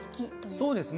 そうですね。